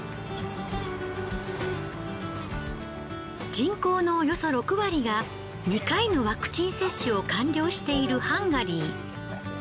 人口のおよそ６割が２回のワクチン接種を完了しているハンガリー。